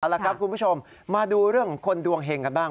เอาละครับคุณผู้ชมมาดูเรื่องของคนดวงเห็งกันบ้าง